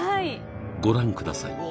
ご覧ください